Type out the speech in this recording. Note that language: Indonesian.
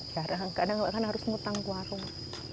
jarang kadang bahkan harus mutang warung